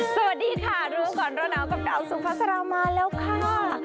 สวัสดีค่ะรู้ก่อนร้อนหนาวกับดาวสุภาษามาแล้วค่ะ